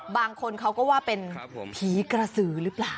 บางคนเขาก็ว่าเป็นผีกระสือหรือเปล่า